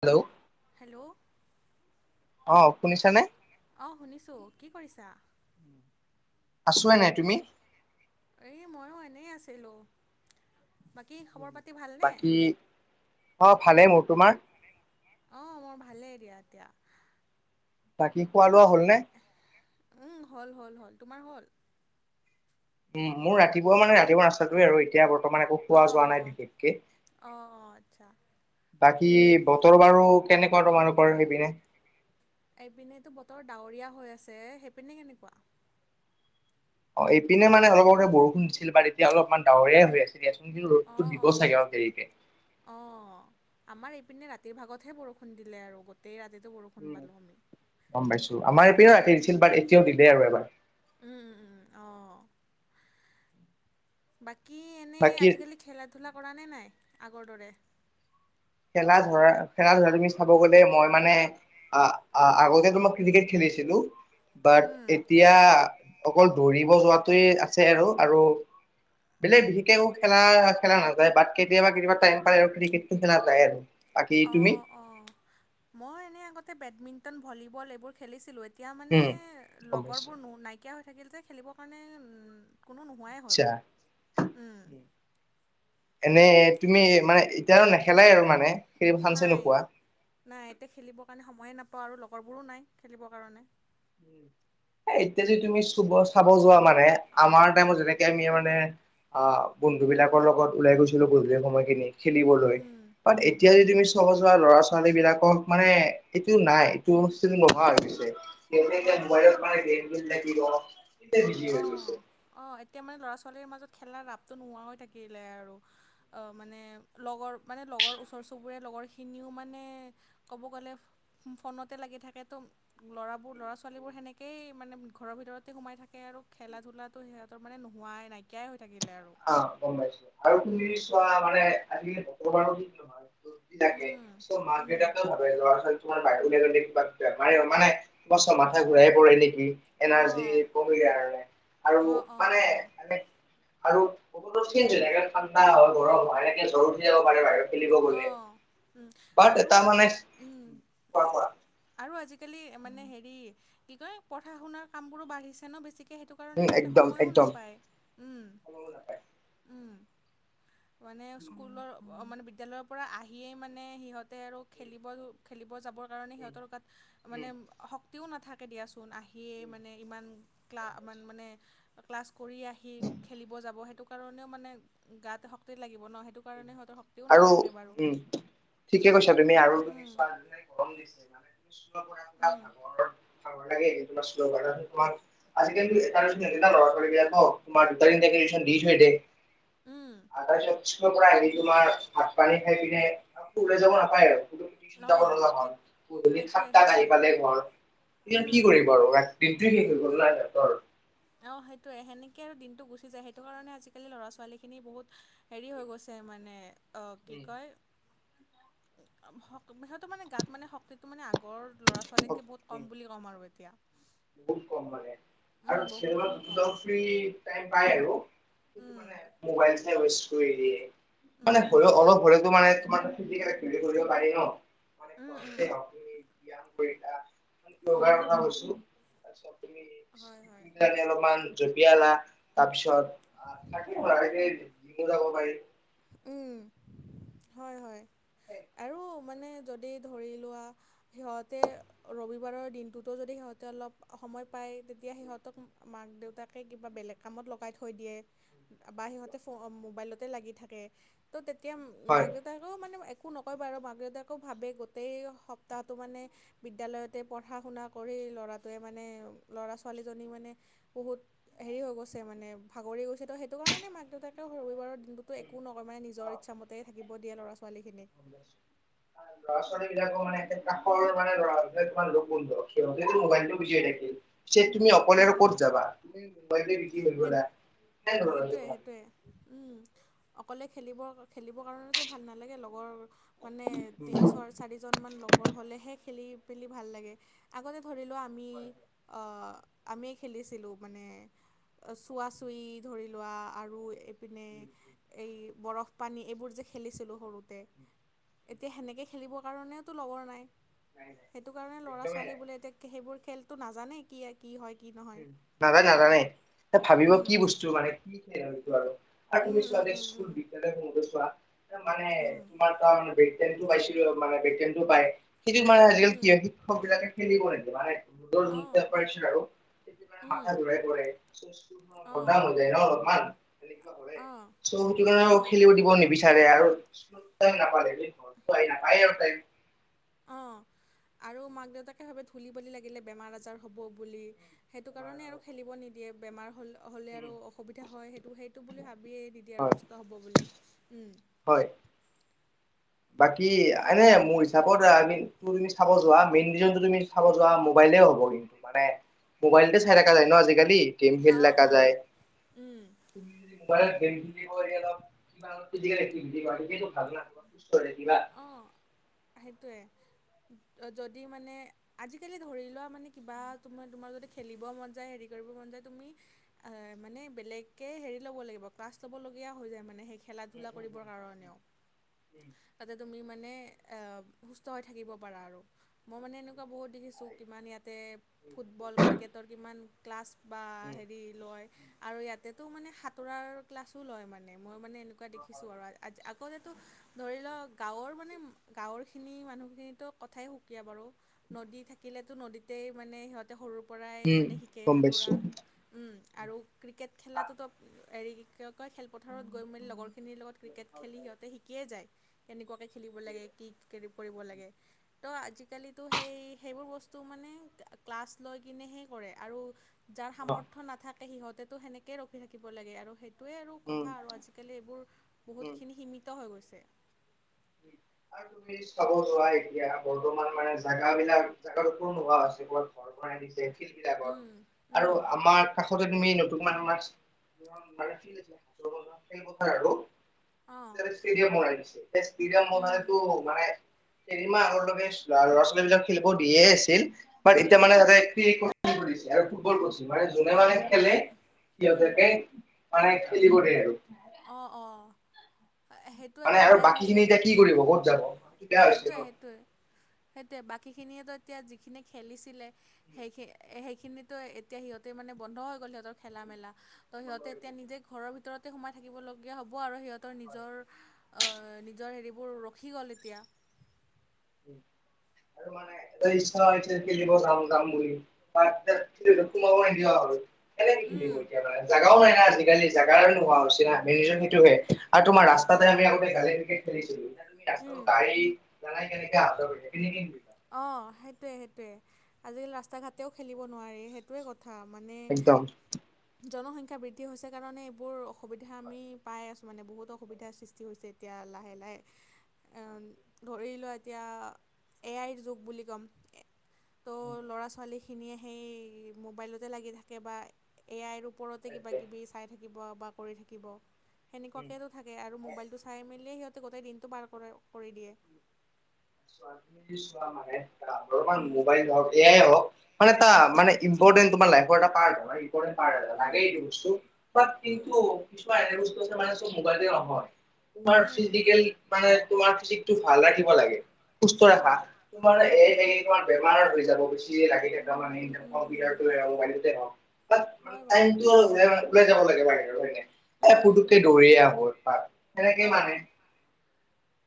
Hello, hello, অ শুনিছা নে। অ শুনিছো কি কৰিছা। আছো এনেই তুমি। এ মইয়ো এনেই আছিলো। বাকী খবৰ পাতি ভালনে। বাকী অ ভালেই মোৰ তোমাৰ অ মোৰ ভালেই দিয়া এতিয়া। বাকী খোৱা লোৱা হ'ল নে। উম হল হ'ল হ'ল তোমাৰ হ'ল। উম মোৰ ৰাতিপুৱা মানে ৰাতিপুৱা ৰাস্তাটোয়ে আৰু এতিয়া ব বৰ্তমানে একো খোৱা অঁ যোৱা অঁ নাই বিশেষকে। অঁ অঁ আচ্ছা বাকী বতৰ বাৰু কেনেকুৱা তোমালোকৰ সেইপিনে। এইপিনেতো বতৰ ডাৱৰীয়া হৈ আছে সেইপিনে কেনেকুৱা। অ এইপিনে মানে অলপ আগতে বৰষুণ দিছিল বাট এতিয়া অলপমান ডাৱৰীয়াই হৈ আছে। এতিয়াচোন অঁ ৰদতো দিব অঁ চাগে আৰু অলপ দেৰিকে। অঁ আমাৰ এইপিনে ৰাতিৰ ভাগতহে বৰষুণ দিলে আৰু গোটেই ৰাতিতো বৰষুণ পালোঁ আমি। গম পাইছো আমাৰ এই পিনেও উম উম দিছিল বাট এতিয়াও দিলে আৰু এবাৰ। উম উম উম অ বাকী এনে বাকী আজিকালি খেলা, লা কৰা নে নাই আগৰ দৰে? খেলা ধৰা খেলা ধৰা তুমি চাব গলে মই মানে, আহ আ আগতে তো মই ক্ৰিকেট খেলিছিলো বাট উম এতিয়া অকল দৌৰিব যোৱাটোৱে আছে আৰু, আৰু বেলেগ বিশেষকে খেলা খেলা নাযায় বাট কেতিয়াবা কেতিয়াবা টাইম পায় আৰু ক্ৰিকেটো, [unintelligible] অঁ অঁ অঁ মই এনেই আগতে বেডমিণ্টন ভলীবল এইবোৰ খেলিছিলোঁ। এতিয়া মানে উম গম পাইছো লগৰবোৰ নো নাইকিয়া হৈ থাকিল যে খেলিবৰ কাৰণে কোনো নোহোৱাই হ'ল চা উম, এনে তুমি মানে এতিয়া নেখেলাই আৰু মানে খেলিব চান্সে নাই নোপোৱা নাই এতিয়া খেলিবৰ কাৰণে সময়ে নাপাওঁ আৰু লগৰবোৰো নাই খেলিবৰ কাৰণে। উম। এতিয়া যে তুমি চুব চাব যোৱা মানে আমাৰ টাইমত যেনেকে আমি মানে আহ বন্ধু বিলাকৰ লগত ওলাই গৈছিলো গধূলি সময়খিনি খেলিবলৈ উম বাট উম, এতিয়া যে তুমি থব যোৱা ল'ৰা ছোৱালী বিলাকক মানে এইটো নাই এইটো বস্তুটো নোহোৱা হৈ গৈছে। গেমে এতিয়া অঁ মোবাইলত মানে গেম খেলি থাকে কি ধৰণ অ অ এতিয়া মানে ল'ৰা ছোৱালীৰ মাজত খেলা ৰাপটো নোহোৱা হৈ থাকিলে আৰু। আহ মানে লগৰ মানে লগৰ ওচৰ চুবুৰীয়া লগৰখিনিও মানে ক'ব গ'লে ফোনতে লাগি থাকে তোম, ল'ৰাবোৰ ল'ৰা ছোৱালীবোৰ সেনেকেই মানে ঘৰৰ ভিতৰতে সোমাই থাক- কে আৰু খেলা ধূলা সিহঁতৰ মানে নোহোৱাই নাইকিয়াই হৈ থাকিলে আৰু। অ গম পাইছোঁ আৰু তোননিৰিচ উম চোৱা মানে [unintelligible] বিলাকে উম চ' মাক উম দেউতাকে ভাৱে ল'ৰা ছোৱালী তোমাৰ বাহিৰলে যদি কিবা বেমাৰে মানে ছমাথাই ঘূৰাই পৰে নেকি এনাৰ্জি অঁ কমিগীয়া কাৰণে আৰু অঁ অঁ মানে অঁ এনে আৰু সকলো [unintelligible] ঠাণ্ডা হয়, গৰম হয় এনেকে জ্বৰ উঠি যাব পাৰে বাহিৰত। খেলিব অ গ'লে উম বাট আৰু এটা মানে উম কোৱা কোৱা আৰু আজিকালি মানে হেৰি কি কয় পঢ়া শুনাৰ কামবোৰো বাঢ়িছে ন বেছিকে সেইটো কাৰণে উম সিহঁতে একদম সময়ো একদম নাপায় উম সময় নাপায়। উম মানে উম স্কুলৰ মানে বিদ্যালয়ৰ পৰা আহিয়েই মানে সিহঁতে আৰু খেলিব খেলিব যাবৰ কাৰণে উম সিহঁতৰ গাত উম মানে শক্তিও নাথাকে দিয়াচোন আহি- হিয়ে উম মানে ইমান ক্লা মানে ক্লাছ কৰি আহি খেলিব যাব সেইটো কাৰণেও মানে গাত শক্তি লাগিব ন সেইটো কাৰণে সিহঁতৰ শক্তিও আৰু নাথাকে বাৰু উম ঠিকে কৈছা তুমি আৰু তুমি উম চোৱা যায়। গৰম দিছে মানে উম [unintelligible] তোমাক আজিকালি [unintelligible] লৰা ছোৱালীবিলাক ন তোমাৰ দুটা তিনটা ৰিচন দি থৈ দিয়ে। উম আটাইশত থ পৰা আহি তোমাৰ ভাত পানী খাই পিনে আকৌ উলাই যাব নাপায় আৰু। গধূলি টিউচন যাব অঁ লগা সেই হ'ল, গধূলি সেইটোৱে সাত তাত আহি সেইটোৱে পালে ঘৰ, ইহঁত কি উম কৰিব আৰু ৰা- দিনটোৱে শেষ হৈ গল ন সিহতৰ। অ সেইটোৱে সেনেকে আৰু দিনটো গুচি যায় সেইটো কাৰণে আজিকালি ল'ৰা ছোৱালীখিনি বহুত হেৰি হৈ গৈছে মানে অ কি কয় শক সিহঁতৰ মানে গাত মানে শক্তিটো মানে আগৰ উম ল'ৰা-ছোৱালীতকে বহুত উম কম বুলি ক'ম আৰু এতিয়া বহুত কম মানে উম আৰু চেল বহুতখিনি দ কম ফ্ৰী টাইম পায় আৰু। কিন্তু মানে উম মবাইল চাই ৱেষ্ট কৰি দিয়ে, মানে উম অলপ শৰীৰটো মানে অলপ ফিজিকেল হেৰি কৰিব পাৰে ন উম উম [unintelligible] অঁ [unintelligible] জপিয়ালা হয় হয় তাৰপিছত থাকি যাব পাৰি, উ হয় হয় আৰু মানে যদি ধৰি লোৱা সিহঁতে ৰবিবাৰৰ দিনটোতো যদি সিহঁতে অলপ সময় পায় তেতিয়া সিহঁতক মাক দেউতাক তাকে কিবা বেলেগ কামত লগাই থৈ দিয়ে বা সিহঁতে ফণ মোবাইলতে লাগি থাকে ত' তেতিয়া মাক দেউত- হয় তাকেও মানে একো নকয় বাৰু মাক দেউতাকও ভাবে গোটেই সপ্তাহটো মানে বিদ্যালয়তে পঢ়া শুনা কৰি লৰাটোৱে মানে ল'ৰা ছোৱালীজনী মানে বহুত হেৰি হৈ গৈছে মানে ভাগৰি গৈছে তো সেইটো কাৰণে মাক দেউতাকেও ৰবিবাৰৰ দিনটোত, তো একো নকই মানে নিজৰ ইচ্ছামতেই থাকিব দিয়ে ল'ৰা ছোৱালী খিনিক ল'ৰা ছোৱালী বিলাকো মানে কাষৰ মানে লৰাবিলাক তোমাৰ ৰুম [unintelligible] বন্ধ সিহতেটো মোবাইলটো, বুজিয় থাকিল তুমি অকলে আৰু উম ক'ত যাবা, [unintelligible] সেই সেইটোৱে সেইটোৱে উম অকলে খেলিব খেলিবৰ কাৰণে ভাল নালাগে লগৰ মানে তিনি ছয় চাৰিজনমান লগৰ হ'লেহে খেলি মেলি ভাল লাগে আগতে ধৰি লোৱা আমি হয় হয়। অ আমি খেলিছিলোঁ মানে চোৱা চুই ধৰি লোৱা আৰু ইপিনে উম উম এই বৰফ পানী এইবোৰ যে খেলিছিলোঁ সৰুতে উম উম এতিয়া সেনেকে খেলিবৰ কাৰণে লগৰ নাই নাই নাই সেইটো কাৰণে ল'ৰা একদমেই ছোৱালী নাই। বোলে এতিয়া সেইবোৰ খেলতো নাজানে কি কি হয় কি নহয়। নাজানে নাজানে ভাবিব উম কি বস্তু মানে কি খেল এইটো আৰু আৰু তুমি উম চোৱা উম দেই, উম স্কুল উম বিদ্যালয়খনতে চোৱা মানে উম তোমাৰ কাৰণ ব্ৰক টাইমটো পাইছিলো মানে ব্ৰক তাইমটো পাই সেইটোত মানে আজিকালি কি উম হয় শিক্ষকবিলাকে খেলিব অঁ [unintelligible] আৰু সেইটো কাৰণে মাথা উম ঘূৰাই পৰে স্কুলখনৰ অঁ বদানাম হৈ যায় ন অলপমান, তেনেকুৱা অঁ চো কিবা অঁ খেলিব দিব নিবিচাৰে। আৰু নাপালে ঘৰটো আহি নাপায়ে আৰু টাইম অঁ, আৰু মাক দেউতাকে ভাবে ধূলি বালি লাগিলে বেমাৰ আজাৰ হ'ব বুলি সেইটো কাৰণে আৰু খেলিব নিদিয়ে বেমাৰ হ'ল হ'লে উম, আৰু অসুবিধা হয় সেইটো সেইটো বুলি ভাবিয়েই নিদিয়ে আৰু হয় কষ্ট হ'ব বুলি, উম হয়। বাকী সেই এনে মোৰ হি চাবত তুমি যদি চাব যোৱা মেইন ৰিজন তুমি চাব যোৱা মোবাইলে হ'ব কিন্তু মানে মোবাইলতে চাই থাকে যায় ন আজিকালি, গেম খেল অঁ থাকা অঁ যায় উম মাইলত গেম খেলিব এৰি অলপ কিবা ফিজিকেল এক্টিভিটি কৰাটোকেটো ভাল না। চৰি কিবা অঁ সেইটোৱে যদি মানে আজিকালি ধৰি লোৱা মানে কিবা তোমাৰ -তোমাৰ যদি খেলিব মন যায় হেৰি কৰিব মন যায় তুমি মানে বেলেগকে হেৰি ল'ব লাগিব ক্লাছ ল'বলগীয়া হৈ যায় মানে সেইখিন [unintelligible] [inaudible] তাতে তুমি মানে আঁ সুস্থ হৈ থাকিব পাৰা আৰু মই মানে এনেকুৱা বহুত দেখিছো কিমান ইয়াতে ফুটবল ক্ৰিকেটৰ কিমান ক্লাছ বা হেৰি লয় আৰু ইয়াতেটো মানে সাঁতোৰাৰ ক্লাছো লয় মানে মই মানে এনেকুৱা দেখিছো আৰু আগতেটো ধৰি লোৱা গাঁৱৰ মানে গাঁৱৰ খিনি মানুহখিনিতো কথাই সুকীয়া বাৰু নদী থাকিলেতো নদীতেই মানে সিহঁত এটিয়া সৰুৰ পৰাই উম মানে শিকে গম পাইছো। সাঁতোৰা আৰু ক্ৰিকেট খেলাটোতো হেই কি কয় খেলপথাৰত গৈ মেলি লগৰখিনিৰ লগত ক্ৰিকেট খেলি সিহঁতে শিকিয়ে যায় কেনেকুৱাকে খেলিব লাগে কি কৰিব লাগে ত আজি কালি তো সেই সেইবোৰ বস্তু মানে ক্লাছ লৈ কিনেহে কৰে আৰু যাৰ অ সামৰ্থ্য নাথাকে সিহঁতেতো সেনেকেই ৰখি থাকিব লাগে আৰু সেই সেইটোৱেই আৰু উম কথা আৰু আজিকালি এইবোৰ উম বহুতখিনি সীমিত হৈ গৈছে। তুমি চাব যোৱা এতিয়া বৰ্তমান মানে জগাবিলাক জাগা একো নোহোৱা হৈছে। দৰমহা দিছে সেই বিলাকত উম, আৰু উম, আমাৰ কাষতে তুমি তোমাৰ আমাৰ খেল পথাৰ আৰু অ ফ্ৰীতে কৰাই দিছে [unintelligible] উম, নাইতো নাই। কেইদিনমান আগৰ লকে ল'ৰা ছোৱালীবিলাক খেলিব দিয়ে আছিল বা এতিয়া উম, মানে সিহতে ফ্ৰী কৰিচে আৰু ফুটবল কৰিছ মানে যোনে মানে খেলে উম, সিহঁতকে মানে খেলিব দে আৰু অ অ সেইটোৱে এটা মানে আৰু বেয়া বাকী হৈছে খিনি এতিয়া কি কৰিব ক'ত যাব বেয়া হৈছে সেইটোৱে ন সেইটোৱে সেইটোৱে বাকীখিনিয়েতো এতিয়া যিখিনি খেলিছিলে সেইখি সেইখিনোতো এতিয়া সিহঁতে মানে বন্ধ হৈ গ'ল সিহঁতৰ খেলা মেলা ত সিহঁতে এতিয়া নিজে ঘৰৰ ভিতৰতে সোমাই থাকিব লগীয়া হ'ব আৰু সিহঁতৰ নিজৰ অ নিজৰ হেৰিবোৰ ৰখি গ'ল এতিয়া। আৰু মানে এটা ইচ্ছা হৈছে খেলিব যাম যাম বুলি- ভাত খাই উঠিলো এতিয়া তোমালোকৰ কি হল কেনেকে খেলিব উম এতিয়া মানে জাগাও নাই না আজিকালি জাগাও নোহোৱা হৈছে না। ৰিজন সেইটোহে আৰু তোমাৰ অঁ সেইটোৱে ৰাস্তাতে আমি আগতে গাড়ী এনেকে খেলিছিলো এতিয়া তুমি ৰাস্তাটো উম গাড়ী লৰাই কেনেকা আচল কৰিছে কেনেকে কি অ সেইটোৱে সেইটোৱে আজিকালি ৰাস্তা ঘাটেও খেলিব নোৱাৰি সেইটোৱে কথা মানে একদম জনসংখ্যা বৃদ্ধি হৈছে কাৰণে এইবোৰ অসুবিধা আমি পাই আছো মানে বহুতো অসুবিধাৰ সৃষ্টি হৈছে। এতিয়া লাহে লাহে অ ধৰি লোৱা এতিয়া এ আইৰ যুগ বুলি ক'ম- তো ল'ৰা ছোৱালীখিনিয়ে সেই মোবাইলতে লাগি থাকে বা এ আইৰ ওপৰতে কিবা কিবি চাই থাকিব বা কৰি থাকিব উম। সেনেকোৱাকেতো- থাকে আৰু মোবাইলটো চাই মেলিয়ে সিহঁতে গোটেই দিনটো পাৰ কৰে কৰি দিয়ে। চোৱা তুমি চোৱা মানে অলমান উম মোবাইল হওক এ আই হওক- মানে তা মানে ইম্পৰ্টেণ্ট তোমাৰ লাইফৰ এটা পাৰ্ট উম লাগেই দিয়কচোন বা উম কিন্তু কিছুমান এনে বস্তু আছে মানে চব মোবাইল দি নহয়। তোমাৰ উম ফিজিকেল মানে তোমাৰ ফিজিকটো ভাল ৰাখিব লাগে। কি কৰে হা অঁ তোমাৰ হয় এ হয় এইৰ পৰা বেমাৰ হৈ যাব বেছিয়ে লাগি থাকা উম, মানে- উম, উম, এনেকোৱা ভি উম, আৰ টোহে আও হওক বা হয় বাৰু টাইমটো উলাই উলাই যাব লাগে বাহিৰ হয় উম ন উম পুতুককে উম দৌৰিয়ে আহো বা সেনেকেই অঁ মানে-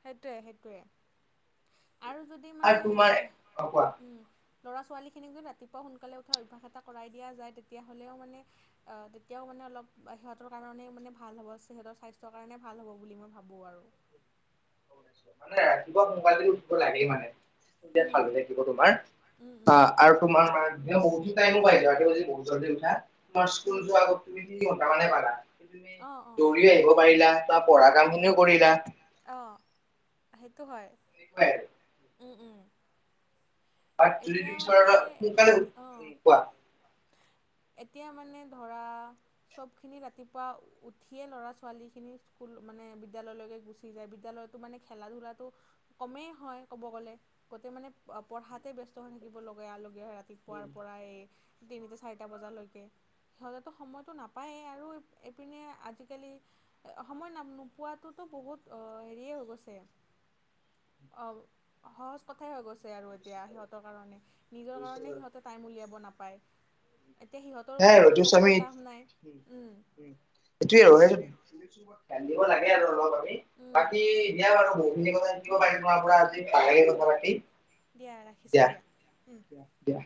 সেইটোৱে সেইটোৱে আৰু যদি আৰু মানে তোমাৰ এ অ কোৱা উম ল'ৰা ছোৱালীখিনিক যদি ৰাতিপুৱা সোনকালে উঠাৰ অভ্যাস এটা কৰাই দিয়া যায় তেতিয়াহ'লেও মানে অ তেতিয়াও মানে অলপ সিহঁতৰ কাৰণেই মানে ভাল হ'ব সিহঁতৰ স্বাস্থ্যৰ কাৰণে ভাল হ'ব বুলি মই ভাবো আৰু মানে ৰাতিপুৱা কোনোবাই যদি উঠিব লাগে মানে তেতিয়া উম ভাল হৈ থাকিব তোমাৰ। উম অ উম আৰু তোমাৰ মানে তেতিয়া বহুত টাইমো পাই যোৱা ৰাতিপুৱা যদি বহুত জল্দি উঠা- তোমাৰ স্কুল উম যোৱা আগত তুমি যি সমানে ভালা তুমি অঁ অঁ দৌৰিও আহিব পাৰিলা বা পঢ়া কাম খিনিও কৰিলা। অ সেইটো হয়। সেনেকোৱাই আৰু উম উম, বাট যদি এতিয়া তুমি মানে ধৰা সোনকালে অ উম কোৱা। এতিয়া মানে ধৰা চবখিনি ৰাতিপুৱা উঠিয়ে ল'ৰা ছোৱালীখিনি স্কুল মানে বিদ্যালয়লৈকে গুচি যায়। বিদ্যালয়ত- তো মানে খেলা ধূলাটো কমেই হয় কব গ'লে গোটেই মানে পঢ়াত - তাতেই ব্যস্ত হৈ থাকিব লগা লগীয়া হয় ৰাতিপুৱাৰ উম। পৰা এই তিনিটা চাৰিটা বজালৈকে সিহঁতেতো সময়তো নাপায়েই আৰু এইপিনে আজিকালি- সময় না নোপোৱাটোতো বহুত হেৰিয়ে হৈ গৈছে। অঁ সহজ কথাই হৈ গৈছে আৰু। বুজিছো দিয়া সিহঁতৰ কাৰণে নিজৰ কাৰণে বাৰু। সিহঁতে টাইম উলিয়াব নাপায়। এতিয়া সিহঁতৰ সেয়াই ওপৰতো আৰু দুখ দি আমি লাভ নাই, উম। এইটোৱে হয় আৰু টাইম দিব লাগে আৰু অলপ আমি উম, বাকী এতিয়া বাৰু বহুতখিনি কথা শিকিব দিয়া পাৰিলো তোমাৰ পৰা আজি ভাল লাগিল কথা পাতি- দিয়া ৰাখিছো দিয়া উম, দিয়া।